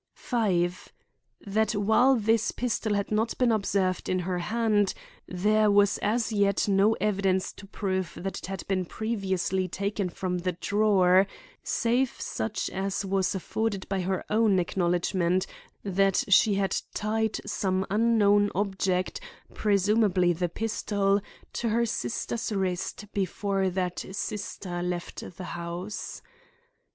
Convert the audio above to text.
5. That while this pistol had not been observed in her hand, there was as yet no evidence to prove that it had been previously taken from the drawer, save such as was afforded by her own acknowledgment that she had tied some unknown object, presumably the pistol, to her sister's wrist before that sister left the house.